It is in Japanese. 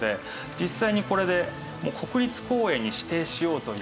実際にこれで国立公園に指定しようという。